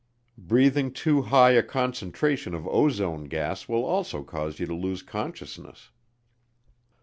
Breathing too high a concentration of ozone gas will also cause you to lose consciousness.